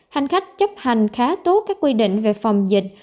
hành khách chấp hành khá tốt các quy định về phòng dịch